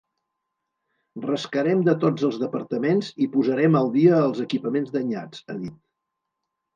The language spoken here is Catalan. Rascarem de tots els departaments i posarem al dia els equipaments danyats, ha dit.